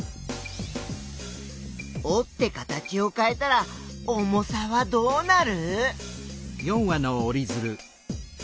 おって形をかえたら重さはどうなる？